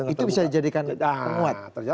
itu bisa dijadikan temuan